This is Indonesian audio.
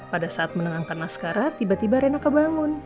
pada saat menenangkan askara tiba tiba riana kebangun